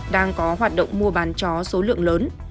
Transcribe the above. đang có hoạt động mua bán chó số lượng lớn